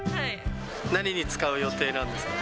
何に使う予定なんですか？